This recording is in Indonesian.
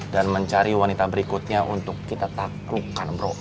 dan mencari wanita berikutnya untuk kita taklukan bro